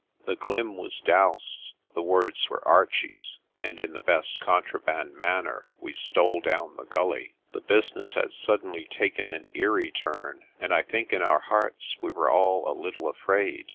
The glim was dowsed the words were Archie's and in the best contraband manner we stole down the gully. The business had suddenly taken an eerie turn, and I think in our hearts we were all a little afraid.